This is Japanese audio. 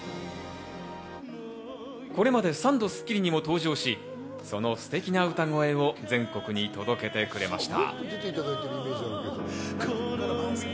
これまで３度『スッキリ』にも登場し、そのステキな歌声を全国に届けてくれました。